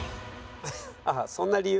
あっそんな理由？